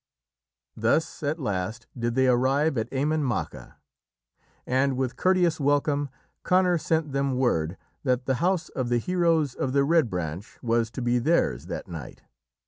Thus at last did they arrive at Emain Macha, and with courteous welcome Conor sent them word that the house of the heroes of the Red Branch was to be theirs that night.